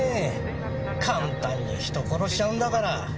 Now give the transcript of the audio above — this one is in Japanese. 簡単に人殺しちゃうんだから。